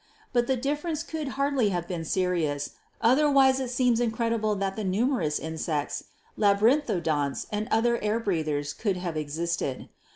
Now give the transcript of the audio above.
But the difference could hardly have been serious, otherwise it seems incredible that the numerous insects, labyrinthodonts and other air breathers could have existed.